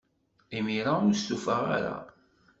Imir-a, ur stufaɣ ara.